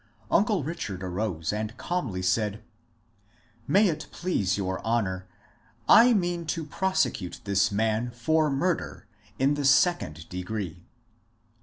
Uncle Richard arose and calmly said, ^* May it please your Honour, I mean to prose cute this man for. murder — in the second degree."